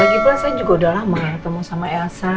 lagipula saya juga udah lama ketemu sama elsa